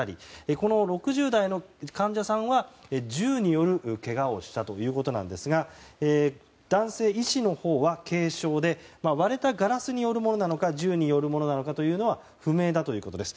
この６０代の患者さんは銃によるけがをしたということですが男性医師のほうは軽傷で割れたガラスによるものなのか銃によるものなのかは不明ということです。